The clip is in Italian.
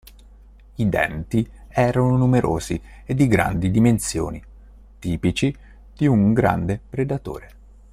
I denti erano numerosi e di grandi dimensioni, tipici di un grande predatore.